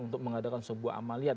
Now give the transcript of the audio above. untuk mengadakan sebuah amalia